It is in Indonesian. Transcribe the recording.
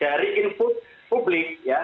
dari input publik ya